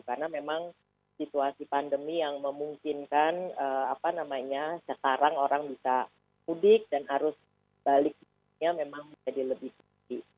karena memang situasi pandemi yang memungkinkan sekarang orang bisa kudik dan arus baliknya memang menjadi lebih kudik